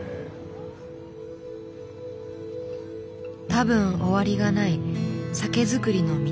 多分終わりがない酒造りの道。